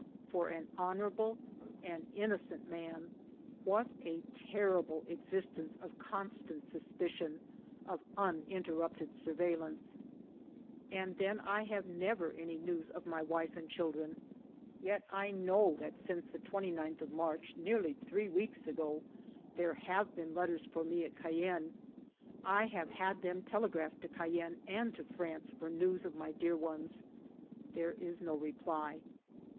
For an honorable, an innocent man, what a terrible existence of constant suspicion, of unin terrupted surveillance ! And then I have never any news of my wife and children. Yet I know that since the 29th of March, nearly three weeks ago, there have been letters for me at Cayenne. I have had them telegraph to Cayenne and to France for news of my dear ones. There is no reply.